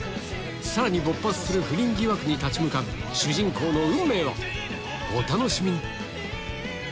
さらに勃発する不倫疑惑に立ち向かう主人公の運命は⁉お楽しみに！